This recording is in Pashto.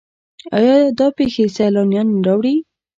آیا دا پیښې سیلانیان نه راوړي؟